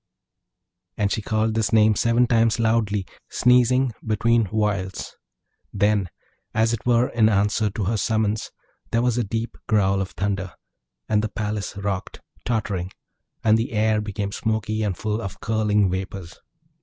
And she called this name seven times loudly, sneezing between whiles. Then, as it were in answer to her summons, there was a deep growl of thunder, and the palace rocked, tottering; and the air became smoky and full of curling vapours.